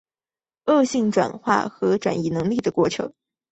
恶性转化和转移能力的过程。